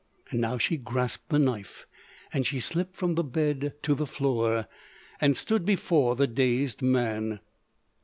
Now she grasped the knife, and she slipped from the bed to the floor and stood before the dazed man.